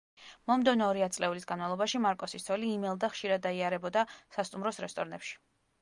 მომდევნო ორი ათწლეულის განმავლობაში მარკოსის ცოლი, იმელდა ხშირად დაიარებოდა სასტუმროს რესტორნებში.